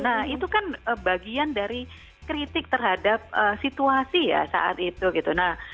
nah itu kan bagian dari kritik terhadap situasi ya saat itu gitu